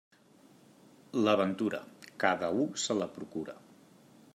La ventura, cada u se la procura.